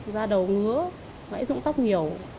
da đầu ngứa vẫy dụng tóc nhiều